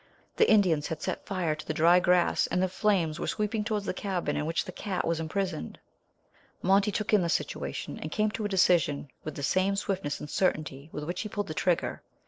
The Indians had set fire to the dry grass, and the flames were sweeping towards the cabin in which the cat was imprisoned. Monty took in the situation and came to a decision with the same swiftness and certainty with which he pulled the trigger.